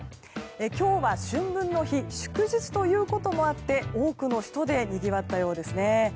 今日は春分の日祝日ということもあって多くの人でにぎわったようですね。